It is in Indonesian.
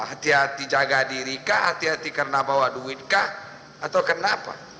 hati hati jaga diri kah hati hati karena bawa duit kah atau kenapa